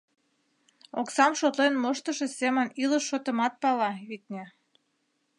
Оксам шотлен моштышо семын илыш шотымат пала, витне.